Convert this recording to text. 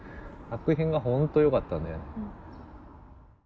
作品が本当良かったね。